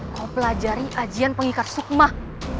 kau belajar ajian pengikar sukmak